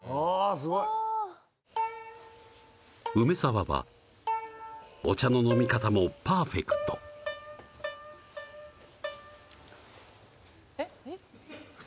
すごい梅沢はお茶の飲み方もパーフェクトえっ？